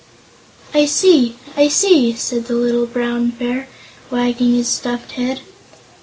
"I see I see!" said the little Brown Bear, wagging his stuffed head.